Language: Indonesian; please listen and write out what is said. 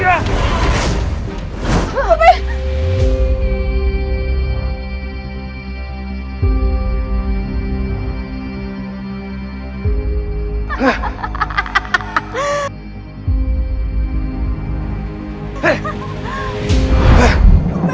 dan satu email